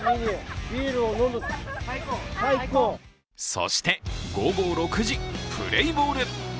そして午後６時、プレーボール。